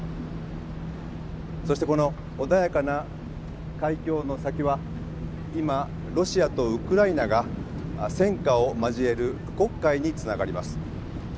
そしてこの穏やかな海峡の先は今ロシアとウクライナが戦火を交える黒海につながります。